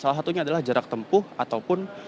salah satunya adalah jarak tempuh ataupun